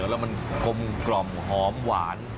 แล้วมันกลมกล่อมหอมหวาน